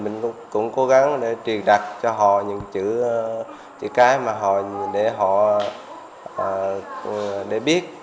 mình cũng cố gắng để truyền đặt cho họ những chữ cái mà họ để họ để biết